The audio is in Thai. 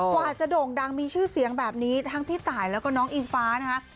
กว่าจะโด่งดังมีชื่อเสียงแบบนี้ทั้งพี่ตายแล้วก็น้องอิงฟ้านะคะ